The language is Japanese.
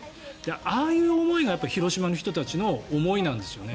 ああいう思いが広島の人たちの思いなんですよね。